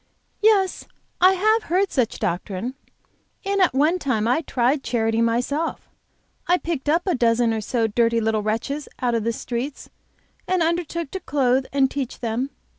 "Yes, I have heard such doctrine, and at one time I tried charity myself. I picked up a dozen or so of dirty little wretches out of the streets, and undertook to clothe and teach them.